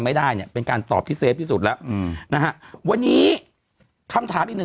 ไม่ได้เนี่ยเป็นการตอบที่เฟฟที่สุดแล้วอืมนะฮะวันนี้คำถามอีกหนึ่ง